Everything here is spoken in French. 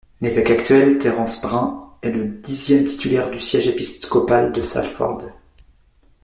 L'évêque actuel, Terence Brain, est le dixième titulaire du siège épiscopal de Salford.